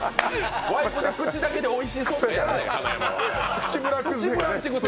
ワイプで口だけでおいしそうとか言わない。